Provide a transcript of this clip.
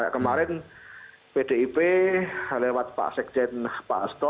kemarin pdip lewat pak sekjen pak asto